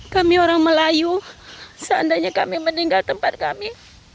kami orang melayu seandainya kami meninggal tempat kami